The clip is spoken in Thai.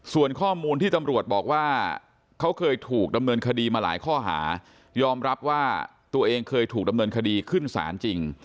ส่วนข้อมูลที่ตำรวจบอกว่าเขาเคยถูกดำเนินคดีมาหลายข้อหายอมรับว่าตัวเองเคยถูกดำเนินคดีขึ้นศาลจริง